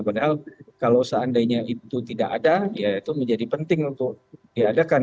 padahal kalau seandainya itu tidak ada ya itu menjadi penting untuk diadakan